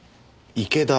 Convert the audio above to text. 池田。